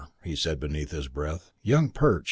He said beneath his breath, "Young Perch!